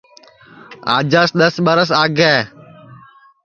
آجاس دؔس ٻرس آگے